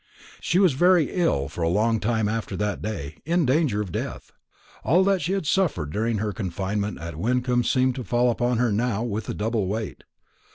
She was very ill for a long time after that day in danger of death. All that she had suffered during her confinement at Wyncomb seemed to fall upon her now with a double weight.